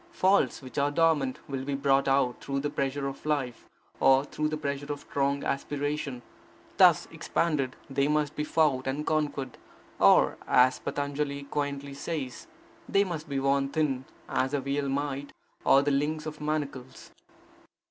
Faults which are dormant will be brought out through the pressure of life, or through the pressure of strong aspiration. Thus expanded, they must be fought and conquered, or, as Patanjali quaintly says, they must be worn thin, as a veil might, or the links of manacles.